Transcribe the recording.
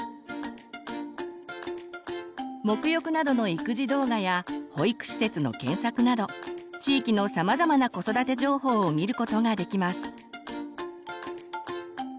もく浴などの育児動画や保育施設の検索など地域のさまざまな子育て情報を見ることができます。